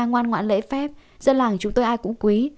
ngoan ngoãn lễ phép dân làng chúng tôi ai cũng quý